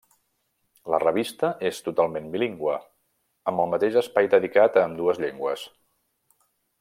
La revista és totalment bilingüe, amb el mateix espai dedicat a ambdues llengües.